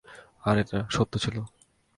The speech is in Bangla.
আর এটা সত্যি ছিল।